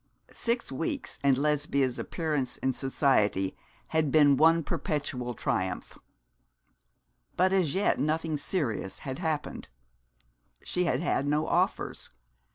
Six weeks, and Lesbia's appearance in society had been one perpetual triumph; but as yet nothing serious had happened. She had had no offers.